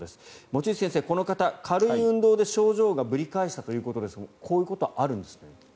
望月先生この方、軽い運動で症状がぶり返したということですがこういうこともあるんですね。